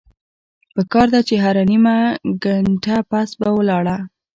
پکار ده چې هره نيمه ګنټه پس پۀ ولاړه